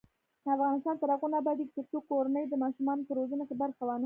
افغانستان تر هغو نه ابادیږي، ترڅو کورنۍ د ماشومانو په روزنه کې برخه وانخلي.